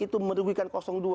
itu merugikan dua